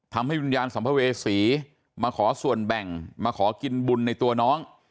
วิญญาณสัมภเวษีมาขอส่วนแบ่งมาขอกินบุญในตัวน้อง